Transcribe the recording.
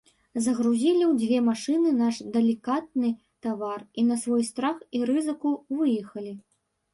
Загрузілі ў дзве машыны наш далікатны тавар і, на свой страх і рызыку, выехалі.